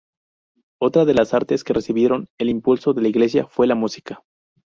Otra de las artes que recibieron el impulso de la Iglesia fue la música.